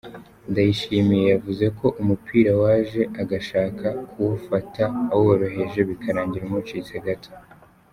Ndayishimiye yavuze ko umupira waje agashaka kuwufata aworoheje bikarangira umucitse gato.